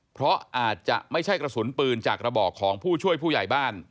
เพราะอาจจะไม่ใช่กระสุนปืนจากระบอกของผู้ช่วยผู้ใหญ่บ้าน